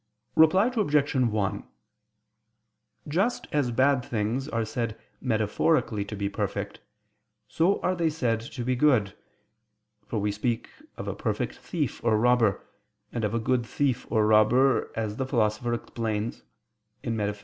Reply Obj. 1: Just as bad things are said metaphorically to be perfect, so are they said to be good: for we speak of a perfect thief or robber; and of a good thief or robber, as the Philosopher explains (Metaph.